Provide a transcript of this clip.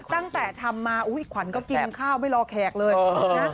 ตั้งแต่ทำมาอุ้ยขวัญก็กินข้าวไม่รอแขกเลยนะ